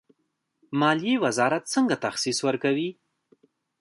مالیې وزارت څنګه تخصیص ورکوي؟